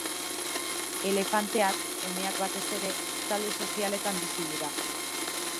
Elefanteak, emeak batez ere, talde sozialetan bizi dira.